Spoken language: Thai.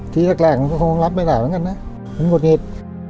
ทีแรกมันคงรับไปแล้วมันกดเหง็ต